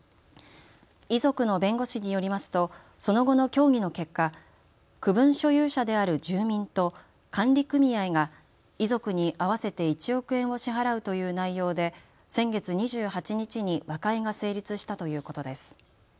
遺族の弁護士によりますとその後の協議の結果、区分所有者である住民と管理組合が遺族に合わせて１億円を支払うという内容で先月２８日に和解が成立したということです。